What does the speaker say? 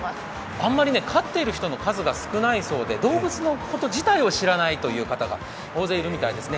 あまり飼ってる人の数が少ないそうで動物のこと自体を知らない方が多いようですね。